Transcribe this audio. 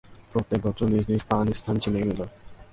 প্রত্যেক গোত্র নিজ নিজ পান-স্থান চিনে নিল।